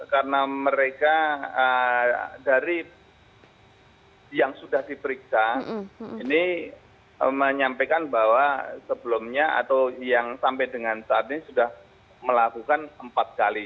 karena mereka dari yang sudah diperiksa ini menyampaikan bahwa sebelumnya atau yang sampai dengan saat ini sudah melakukan empat kali